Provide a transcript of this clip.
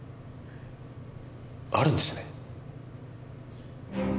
あるんですね？